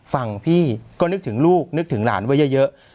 ฟังพี่ก็นึกถึงลูกนึกถึงหลานไว้เยอะ